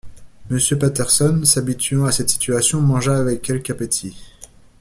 Monsieur Patterson, s’habituant à cette situation, mangea avec quelque appétit.